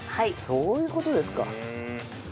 そういう事ですか。